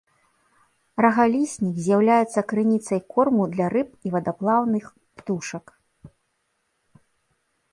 Рагаліснік з'яўляецца крыніцай корму для рыб і вадаплаўных птушак.